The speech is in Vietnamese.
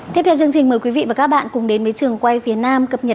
tiếp theo chương trình mời quý vị và các bạn cùng đến với trường quay phía nam cập nhật